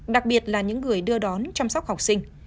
đặc biệt là những người đưa đón chăm sóc học sinh